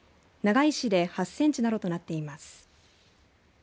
長井市で８センチなどとなっています。